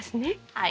はい。